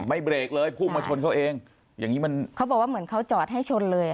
เบรกเลยพุ่งมาชนเขาเองอย่างงี้มันเขาบอกว่าเหมือนเขาจอดให้ชนเลยอ่ะ